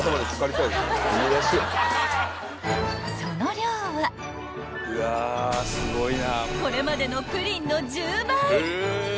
［その量はこれまでのプリンの１０倍］